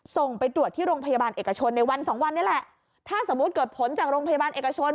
ส่งไปตรวจที่โรงพยาบาลเอกชนในวันสองวันนี้แหละถ้าสมมุติเกิดผลจากโรงพยาบาลเอกชน